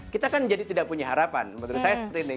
kita kan jadi tidak punya harapan menurut saya seperti ini